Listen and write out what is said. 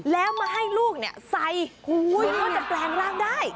แล้วมาให้ลูกใส่ก็จะแปลงร่างได้